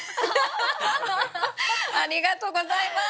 本当ありがとうございます。